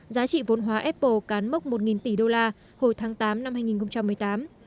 giá trị vốn hóa apple cán mốc một tỷ đô la hồi tháng tám năm hai nghìn một mươi tám